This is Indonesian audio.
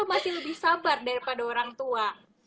masih lebih sabar daripada orang tua